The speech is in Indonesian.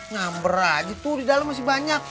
ngamber aja tuh di dalam masih banyak